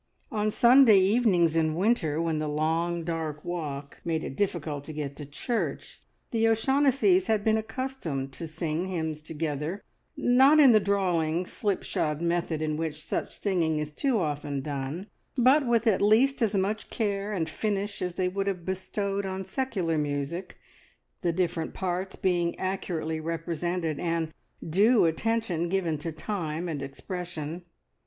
On Sunday evenings in winter, when the long dark walk made it difficult to get to church, the O'Shaughnessys had been accustomed to sing hymns together, not in the drawling, slipshod method in which such singing is too often done, but with at least as much care and finish as they would have bestowed on secular music, the different parts being accurately represented, and due attention given to time and expression.